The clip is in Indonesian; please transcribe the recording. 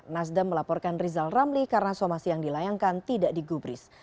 nasdem melaporkan rizal ramli karena somasi yang dilayangkan tidak digubris